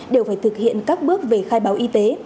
đều phải thực hiện các bước về khai báo y tế